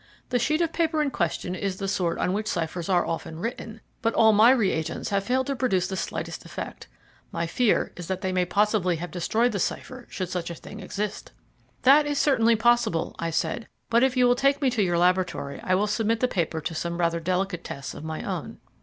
The sheet of paper in question is the sort on which ciphers are often written, but all my re agents have failed to produce the slightest effect. My fear is that they may possibly have destroyed the cipher should such a thing exist." "That is certainly possible," I said; "but if you will take me to your laboratory I will submit the paper to some rather delicate tests of my own."